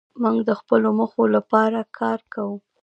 موږ د خپلو موخو لپاره کار کوو.